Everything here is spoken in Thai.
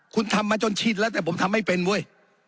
คุณทำมาจนชินแล้วแต่ผมทำไม่เป็นเว้ย